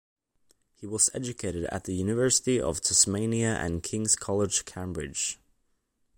He was educated at the University of Tasmania and King's College, Cambridge.